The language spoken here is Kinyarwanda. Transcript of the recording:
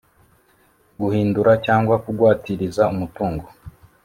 guhinduranya cyangwa kugwatiriza umutungo